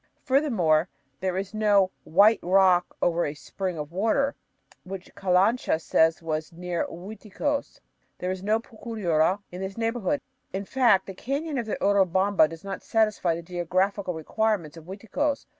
Furthermore, there is no "white rock over a spring of water" which Calancha says was "near Uiticos." There is no Pucyura in this neighborhood. In fact, the canyon of the Urubamba does not satisfy the geographical requirements of Uiticos.